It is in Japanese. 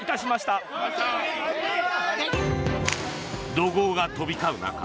怒号が飛び交う中